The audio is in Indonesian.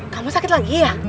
kamu sakit lagi ya